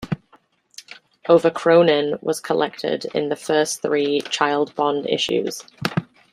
Over kronen was collected in the first three "child bond" issues.